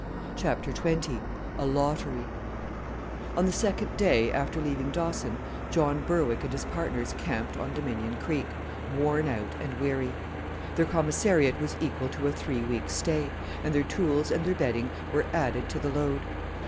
CHAPTER XX A LOTTERY On the second day after leaving Dawson, John Berwick and his partners camped on Dominion Creek, worn out and weary. Their commissariat was equal to a three weeks' stay, and their tools and their bedding were added to the load.